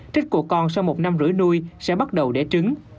trích của con sau một năm rưỡi nuôi sẽ bắt đầu đẻ trứng